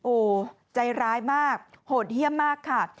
โอ้โหใจร้ายมากโหดเยี่ยมมากค่ะ